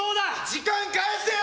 時間返せよ！